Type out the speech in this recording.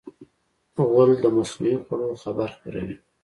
غول د مصنوعي خوړو خبر خپروي.